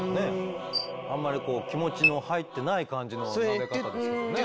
あんまり気持ちの入ってない感じのなで方ですけどね。